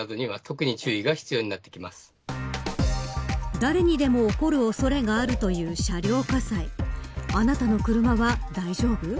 誰にでも起こる恐れがあるという車両火災あなたの車は大丈夫。